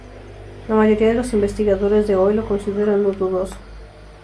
La mayoría de los investigadores de hoy lo consideran un dudoso.